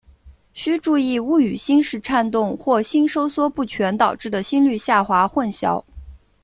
须注意勿与心室颤动或心收缩不全导致的心率下降混淆。